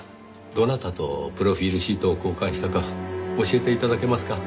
どなたとプロフィールシートを交換したか教えて頂けますか？